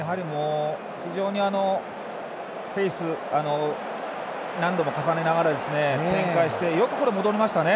非常にフェーズを何度も重ねながら展開して、よく戻りましたね。